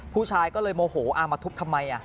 ผู้ชายก็เลยโมโหมาทุบทำไม